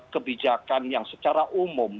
kebijakan yang secara umum